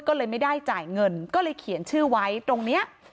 ก็เลยไม่ได้จ่ายเงินก็เลยเขียนชื่อไว้ตรงนี้